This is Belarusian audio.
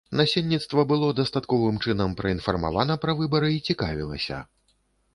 Насельніцтва было дастатковым чынам праінфармавана пра выбары і цікавілася.